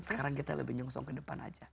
sekarang kita lebih nyongsong ke depan aja